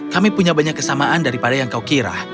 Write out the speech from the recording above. kami punya banyak kesamaan daripada yang kau kira